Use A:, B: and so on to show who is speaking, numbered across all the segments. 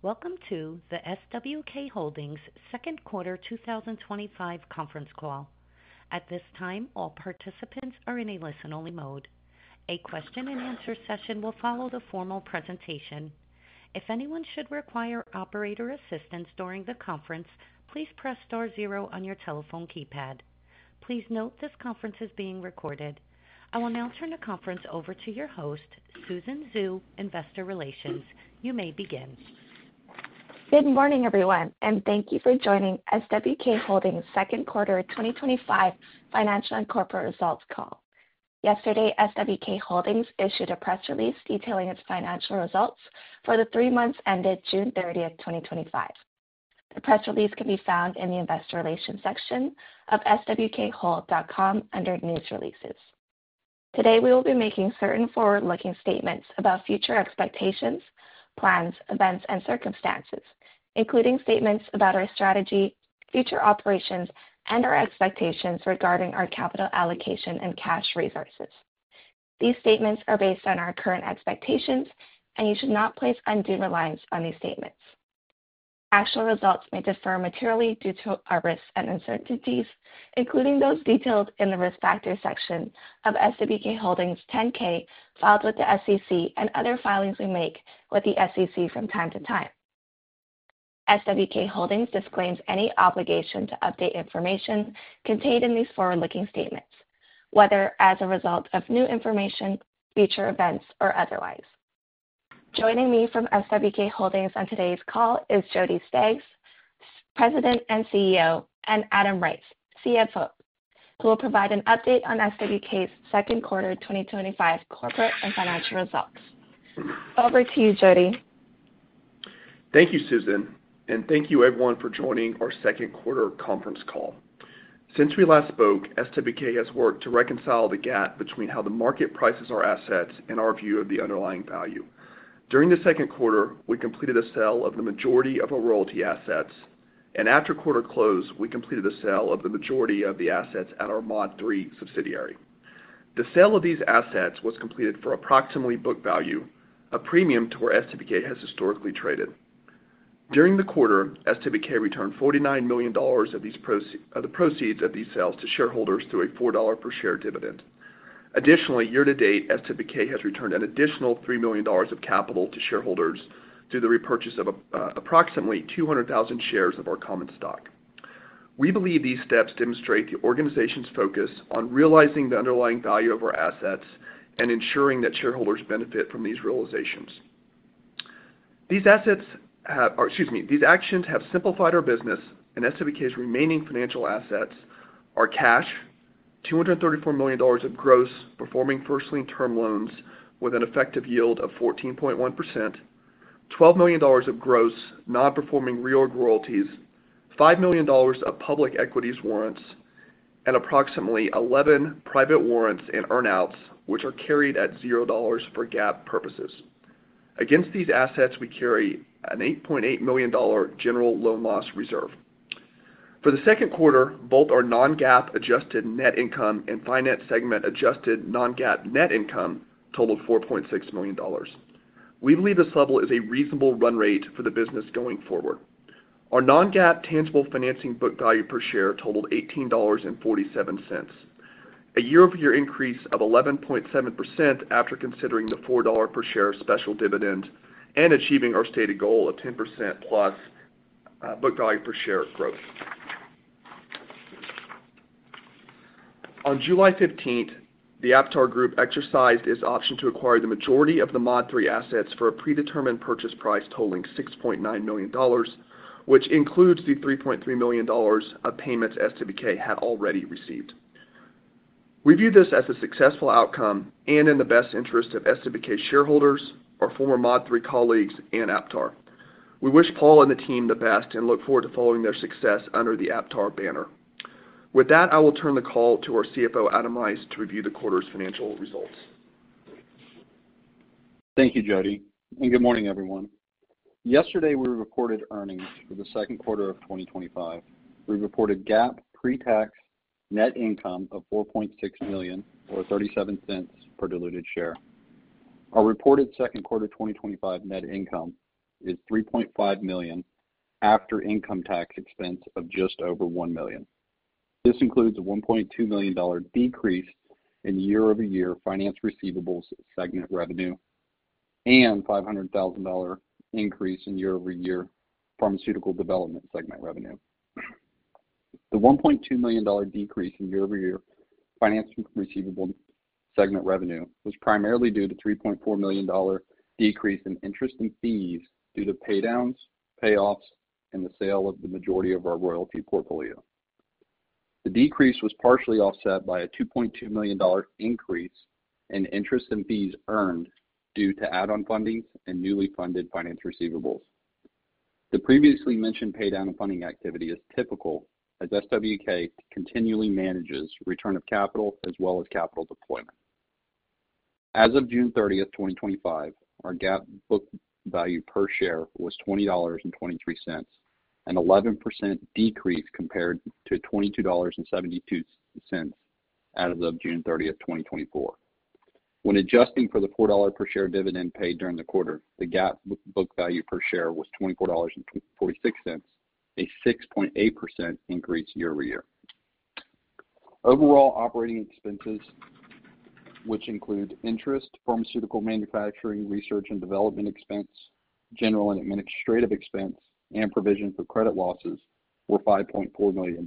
A: Welcome to the SWK Holdings' Second Quarter 2025 Conference Call. At this time, all participants are in a listen-only mode. A question-and-answer session will follow the formal presentation. If anyone should require operator assistance during the conference, please press star zero on your telephone keypad. Please note this conference is being recorded. I will now turn the conference over to your host, Susan Xu, Investor Relations. You may begin.
B: Good morning, everyone, and thank you for joining SWK Holdings' Second Quarter 2025 Financial and Conference Results Call. Yesterday, SWK Holdings issued a press release detailing its financial results for the three months ended June 30th, 2025. The press release can be found in the Investor Relations section of swkhold.com under News Releases. Today, we will be making certain forward-looking statements about future expectations, plans, events, and circumstances, including statements about our strategy, future operations, and our expectations regarding our capital allocation and cash resources. These statements are based on our current expectations, and you should not place undue reliance on these statements. Actual results may differ materially due to our risks and uncertainties, including those detailed in the Risk Factors section of SWK Holdings' 10-K filed with the SEC and other filings we make with the SEC from time to time. SWK Holdings disclaims any obligation to update information contained in these forward-looking statements, whether as a result of new information, future events, or otherwise. Joining me from SWK Holdings on today's call is Jody Staggs, President and CEO, and Adam Rice, CFO, who will provide an update on SWK's second quarter 2025 corporate and financial results. Over to you, Jody.
C: Thank you, Susan, and thank you, everyone, for joining our second quarter conference call. Since we last spoke, SWK has worked to reconcile the gap between how the market prices our assets and our view of the underlying value. During the second quarter, we completed a sale of the majority of our royalty assets, and after quarter close, we completed a sale of the majority of the assets at our Mod III subsidiary. The sale of these assets was completed for approximately book value, a premium to where SWK has historically traded. During the quarter, SWK returned $49 million of the proceeds of these sales to shareholders through a $4 per share dividend. Additionally, year to date, SWK has returned an additional $3 million of capital to shareholders through the repurchase of approximately 200,000 shares of our common stock. We believe these steps demonstrate the organization's focus on realizing the underlying value of our assets and ensuring that shareholders benefit from these realizations. These actions have simplified our business, and SWK's remaining financial assets are cash, $234 million of gross performing first-lien term loans with an effective yield of 14.1%, $12 million of gross non-performing reorganization royalties, $5 million of public equity warrants, and approximately 11 private warrants and earnouts, which are carried at $0 for GAAP purposes. Against these assets, we carry an $8.8 million general loan loss reserve. For the second quarter, both our non-GAAP adjusted net income and finance segment adjusted non-GAAP net income totaled $4.6 million. We believe this level is a reasonable run rate for the business going forward. Our non-GAAP tangible financing book value per share totaled $18.47, a year-over-year increase of 11.7% after considering the $4 per share special dividend and achieving our stated goal of 10%+ book value per share growth. On July 15th, the Aptar Group exercised its option to acquire the majority of the Mod III assets for a predetermined purchase price totaling $6.9 million, which includes the $3.3 million of payments SWK had already received. We view this as a successful outcome and in the best interest of SWK shareholders, our former Mod III colleagues, and Aptar. We wish Paul and the team the best and look forward to following their success under the Aptar banner. With that, I will turn the call to our CFO, Adam Rice, to review the quarter's financial results.
D: Thank you, Jody, and good morning, everyone. Yesterday, we reported earnings for the second quarter of 2025. We reported GAAP pre-tax net income of $4.6 million, or $0.37 per diluted share. Our reported second quarter 2025 net income is $3.5 million after income tax expense of just over $1 million. This includes a $1.2 million decrease in year-over-year finance receivables segment revenue and a $500,000 increase in year-over-year pharmaceutical development segment revenue. The $1.2 million decrease in year-over-year finance receivables segment revenue was primarily due to a $3.4 million decrease in interest and fees due to paydowns, payoffs, and the sale of the majority of our royalty portfolio. The decrease was partially offset by a $2.2 million increase in interest and fees earned due to add-on funding and newly funded finance receivables. The previously mentioned paydown funding activity is typical as SWK continually manages return of capital as well as capital deployment. As of June 30th, 2025, our GAAP book value per share was $20.23, an 11% decrease compared to $22.72 as of June 30th, 2024. When adjusting for the $4 per share dividend paid during the quarter, the GAAP book value per share was $24.46, a 6.8% increase year-over-year. Overall operating expenses, which include interest, pharmaceutical manufacturing, research and development expense, general and administrative expense, and provision for credit losses, were $5.4 million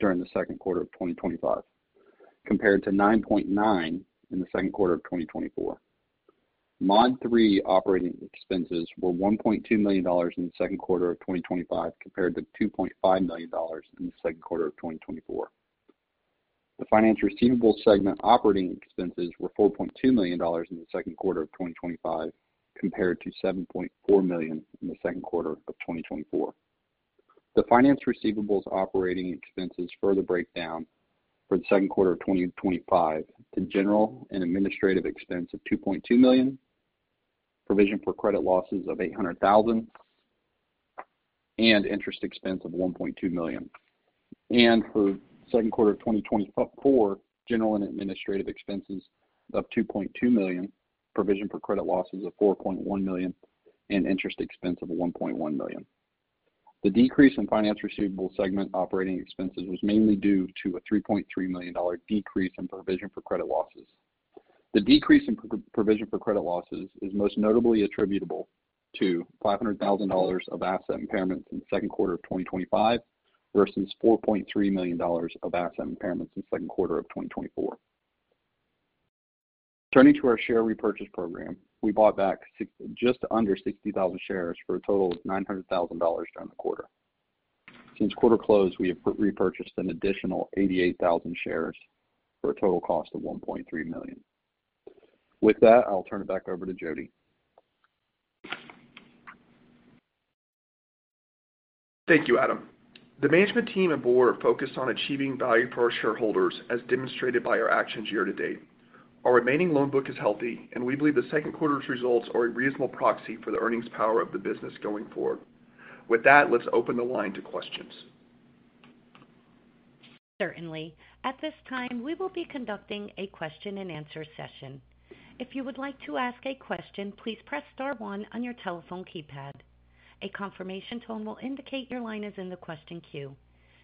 D: during the second quarter of 2025, compared to $9.9 million in the second quarter of 2024. Mod III operating expenses were $1.2 million in the second quarter of 2025, compared to $2.5 million in the second quarter of 2024. The finance receivables segment operating expenses were $4.2 million in the second quarter of 2025, compared to $7.4 million in the second quarter of 2024. The finance receivables operating expenses further break down for the second quarter of 2025 to general and administrative expense of $2.2 million, provision for credit losses of $800,000, and interest expense of $1.2 million. For the second quarter of 2024, general and administrative expenses were $2.2 million, provision for credit losses was $4.1 million, and interest expense was $1.1 million. The decrease in finance receivables segment operating expenses was mainly due to a $3.3 million decrease in provision for credit losses. The decrease in provision for credit losses is most notably attributable to $500,000 of asset impairments in the second quarter of 2025 versus $4.3 million of asset impairments in the second quarter of 2024. Turning to our share repurchase program, we bought back just under 60,000 shares for a total of $900,000 during the quarter. Since quarter close, we have repurchased an additional 88,000 shares for a total cost of $1.3 million. With that, I'll turn it back over to Jody.
C: Thank you, Adam. The management team and Board focused on achieving value for our shareholders, as demonstrated by our actions year to date. Our remaining loan book is healthy, and we believe the second quarter's results are a reasonable proxy for the earnings power of the business going forward. With that, let's open the line to questions.
A: Certainly. At this time, we will be conducting a question-and-answer session. If you would like to ask a question, please press star one on your telephone keypad. A confirmation tone will indicate your line is in the question queue.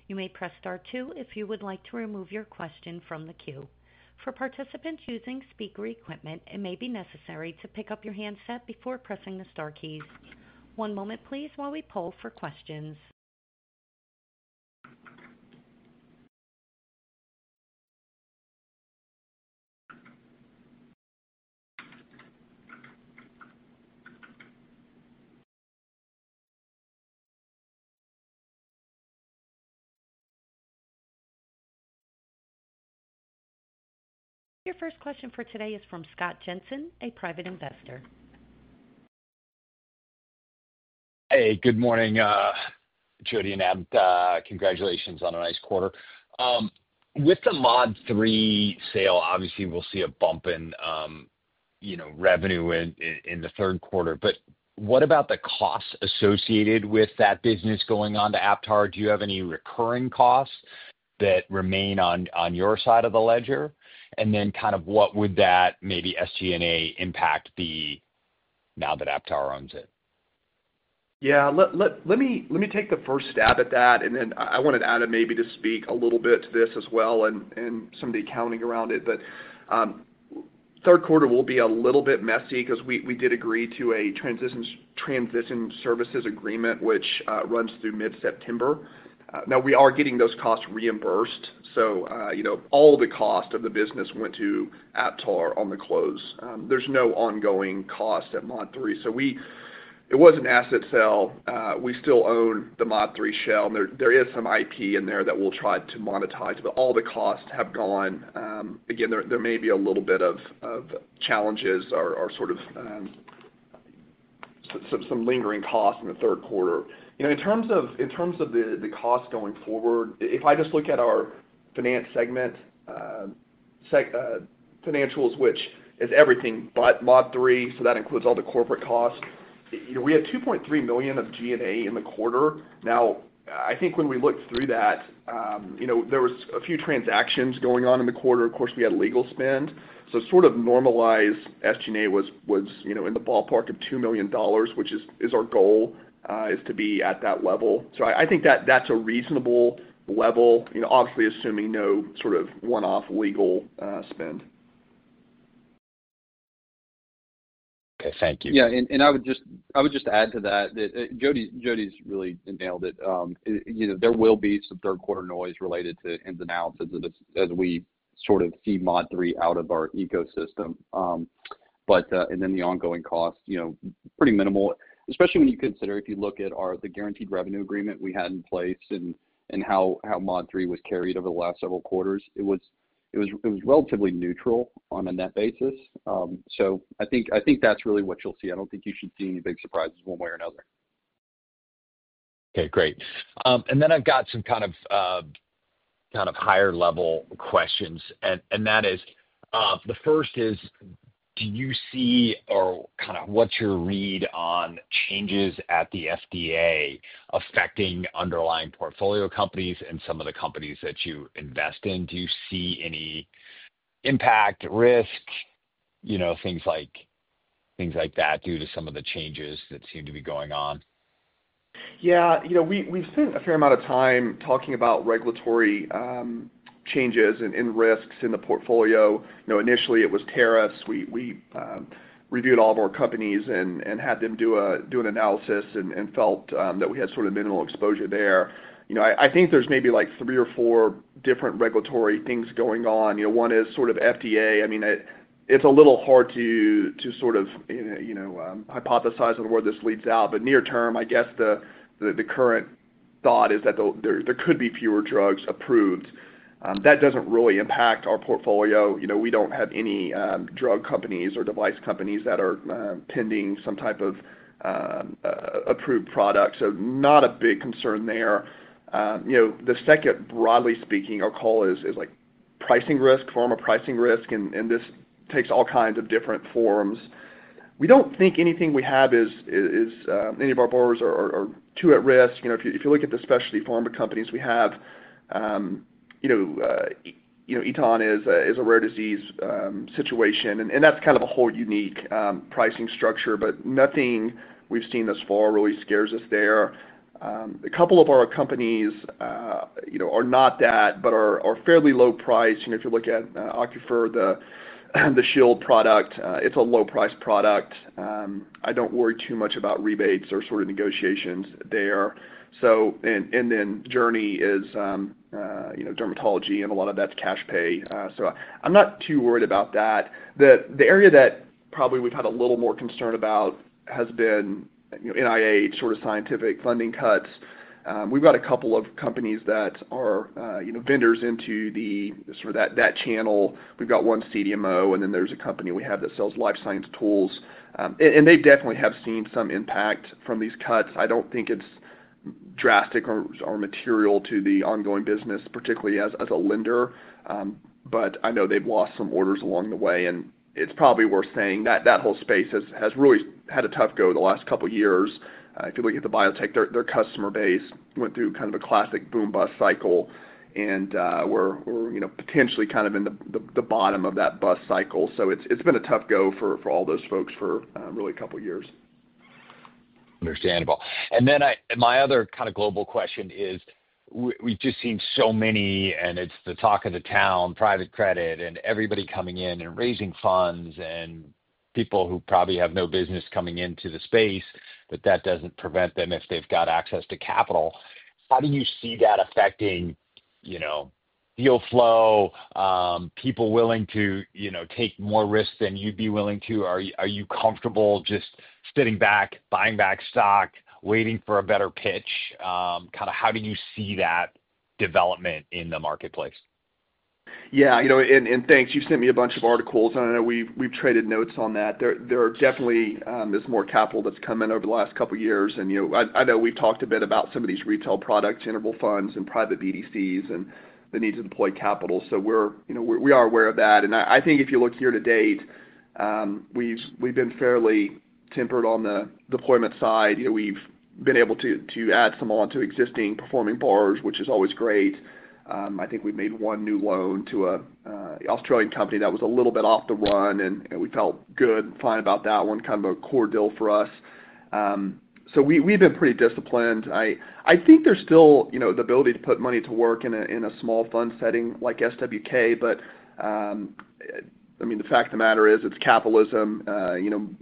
A: You may press star two if you would like to remove your question from the queue. For participants using speaker equipment, it may be necessary to pick up your handset before pressing the star keys. One moment, please, while we poll for questions. Your first question for today is from Scott Jensen, a private investor. Hey, good morning, Jody and Adam. Congratulations on a nice quarter. With the Mod III sale, obviously, we'll see a bump in revenue in the third quarter. What about the costs associated with that business going on to Aptar? Do you have any recurring costs that remain on your side of the ledger? What would that maybe SG&A impact be now that Aptar owns it?
C: Let me take the first stab at that. I wanted Adam maybe to speak a little bit to this as well and some of the accounting around it. Third quarter will be a little bit messy because we did agree to a transition services agreement, which runs through mid-September. We are getting those costs reimbursed. All the cost of the business went to Aptar on the close. There's no ongoing cost at Mod III. It was an asset sale. We still own the Mod III shell, and there is some IP in there that we'll try to monetize. All the costs have gone. There may be a little bit of challenges or sort of some lingering costs in the third quarter. In terms of the costs going forward, if I just look at our finance segment financials, which is everything but Mod III, so that includes all the corporate costs, we had $2.3 million of G&A in the quarter. I think when we looked through that, there were a few transactions going on in the quarter. Of course, we had legal spend. Normalized SG&A was in the ballpark of $2 million, which is our goal, to be at that level. I think that that's a reasonable level, obviously assuming no sort of one-off legal spend. Okay, thank you.
D: Yeah, and I would just add to that. Jody's really nailed it. There will be some third-quarter noise related to ins and outs as we sort of see Mod III out of our ecosystem. The ongoing costs are pretty minimal, especially when you consider, if you look at the guaranteed revenue agreement we had in place and how Mod III was carried over the last several quarters, it was relatively neutral on a net basis. I think that's really what you'll see. I don't think you should see any big surprises one way or another. Okay, great. I've got some kind of higher-level questions. The first is, do you see or what's your read on changes at the FDA affecting underlying portfolio companies and some of the companies that you invest in? Do you see any impact, risk, things like that due to some of the changes that seem to be going on?
C: Yeah, you know, we've spent a fair amount of time talking about regulatory changes and risks in the portfolio. Initially, it was tariffs. We reviewed all of our companies and had them do an analysis and felt that we had sort of minimal exposure there. I think there's maybe like three or four different regulatory things going on. One is sort of FDA. I mean, it's a little hard to hypothesize on where this leads out. Near term, I guess the current thought is that there could be fewer drugs approved. That doesn't really impact our portfolio. We don't have any drug companies or device companies that are pending some type of approved product, so not a big concern there. The second, broadly speaking, our call is like pricing risk, pharma pricing risk, and this takes all kinds of different forms. We don't think anything we have is any of our borrowers are too at risk. If you look at the specialty pharma companies we have, Eton is a rare disease situation, and that's kind of a whole unique pricing structure, but nothing we've seen thus far really scares us there. A couple of our companies are not that, but are fairly low-priced. If you look at Ocufer, the shield product, it's a low-priced product. I don't worry too much about rebates or negotiations there. Journey is dermatology, and a lot of that's cash pay, so I'm not too worried about that. The area that probably we've had a little more concern about has been NIH, sort of scientific funding cuts. We've got a couple of companies that are vendors into that channel. We've got one CDMO, and then there's a company we have that sells life science tools, and they definitely have seen some impact from these cuts. I don't think it's drastic or material to the ongoing business, particularly as a lender, but I know they've lost some orders along the way. It's probably worth saying that that whole space has really had a tough go the last couple of years. If you look at the biotech, their customer base went through kind of a classic boom-bust cycle, and we're potentially kind of in the bottom of that bust cycle. It's been a tough go for all those folks for really a couple of years. Understandable. My other kind of global question is, we've just seen so many, and it's the talk of the town, private credit, and everybody coming in and raising funds and people who probably have no business coming into the space. That doesn't prevent them if they've got access to capital. How do you see that affecting, you know, deal flow, people willing to, you know, take more risks than you'd be willing to? Are you comfortable just sitting back, buying back stock, waiting for a better pitch? How do you see that development in the marketplace? Yeah, you know, and thanks, you've sent me a bunch of articles. I know we've traded notes on that. There definitely is more capital that's come in over the last couple of years. I know we've talked a bit about some of these retail products, general funds, and private BDCs, and the need to deploy capital. We're aware of that. I think if you look here to date, we've been fairly tempered on the deployment side. We've been able to add some onto existing performing borrowers, which is always great. I think we've made one new loan to an Australian company that was a little bit off the run, and we felt good and fine about that one, kind of a core deal for us. We've been pretty disciplined. I think there's still the ability to put money to work in a small fund setting like SWK Holdings. The fact of the matter is it's capitalism.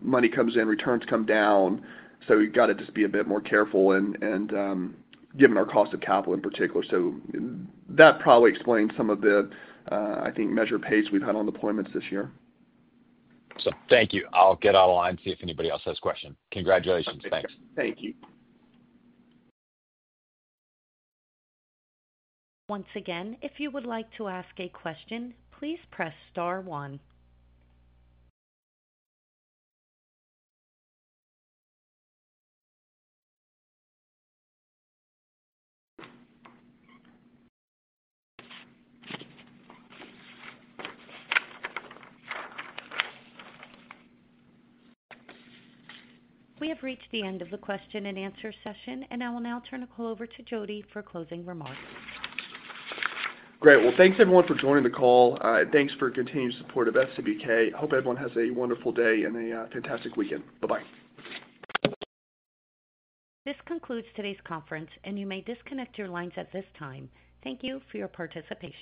C: Money comes in, returns come down. We've got to just be a bit more careful given our cost of capital in particular. That probably explains some of the, I think, measured pace we've had on deployments this year. Thank you. I'll get online and see if anybody else has a question. Congratulations. Thanks. Thank you.
A: Once again, if you would like to ask a question, please press star one. We have reached the end of the question-and-answer session, and I will now turn the call over to Jody for closing remarks.
C: Great. Thanks everyone for joining the call. Thanks for continued support of SWK Holdings. Hope everyone has a wonderful day and a fantastic weekend. Bye-bye.
A: This concludes today's conference, and you may disconnect your lines at this time. Thank you for your participation.